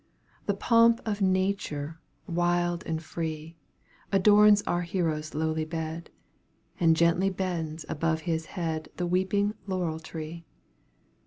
The pomp of nature, wild and free, Adorns our hero's lowly bed, And gently bends above his head The weeping laurel tree.